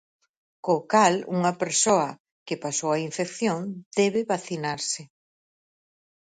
Co cal unha persoa que pasou a infección debe vacinarse.